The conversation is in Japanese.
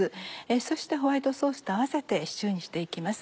そしてホワイトソースと合わせてシチューにして行きます。